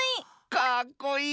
かっこいい！